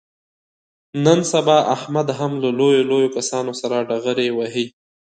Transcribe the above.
نن سبا احمد هم له لویو لویو کسانو سره ډغرې وهي.